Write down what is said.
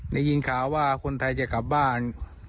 ได้ยินข่าวว่าคนไทยจะกลับบ้าน